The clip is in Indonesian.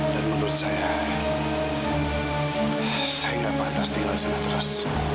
dan menurut saya saya nggak pantas tinggal di sana terus